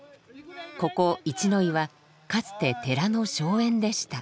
ここ一ノ井はかつて寺の荘園でした。